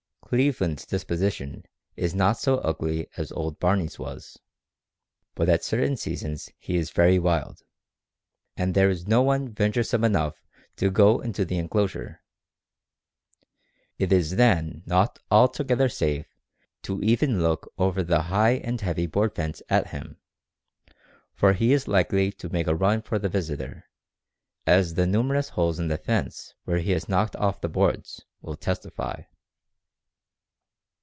"Cleveland's" disposition is not so ugly as old Barney's was, but at certain seasons he is very wild, and there is no one venturesome enough to go into the inclosure. It is then not altogether safe to even look over the high and heavy board fence at him, for he is likely to make a run for the visitor, as the numerous holes in the fence where he has knocked off the boards will testify."